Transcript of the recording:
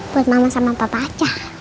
buat mama sama papa aja